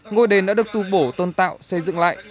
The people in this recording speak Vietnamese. ngôi đền đã được tu bổ tôn tạo xây dựng lại